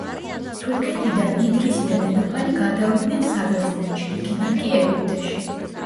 თურქეთიდან იდრისი და დედოფალი გადავიდნენ საბერძნეთში, იქიდან კი ეგვიპტეში.